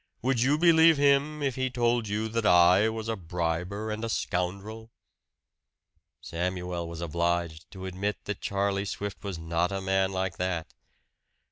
Would believe him if he told you that I was a briber and a scoundrel?" Samuel was obliged to admit that Charlie Swift was not a man like that. "Dr.